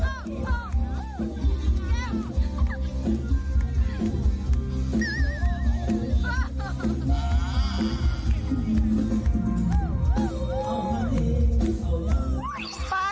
ฮ่าฮ่าฮ่า